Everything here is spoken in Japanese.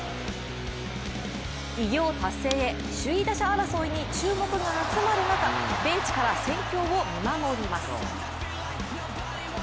偉業達成へ首位打者争いに注目が集まる中、ベンチから戦況を見守ります。